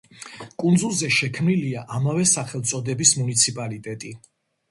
კუნძულზე შექმნილია ამავე სახელწოდების მუნიციპალიტეტი.